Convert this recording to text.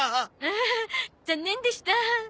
アハ残念でした。